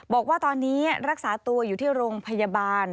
บอกว่าตอนนี้รักษาตัวอยู่ที่โรงพยาบาล